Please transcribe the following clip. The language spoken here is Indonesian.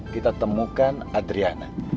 kita temukan adriana